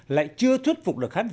lại chưa thuyết phục được khách sạn